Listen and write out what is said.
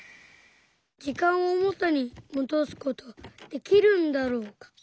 時間を元にもどす事はできるんだろうか。